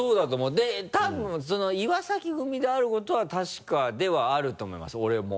でたぶん岩崎組であることは確かではあると思います俺も。